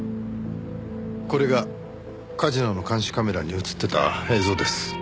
これがカジノの監視カメラに映ってた映像です。